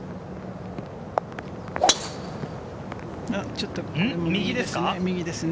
ちょっと、これ右ですね。